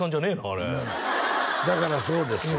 あれだからそうですよ